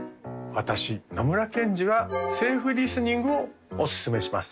私野村ケンジはセーフリスニングをおすすめします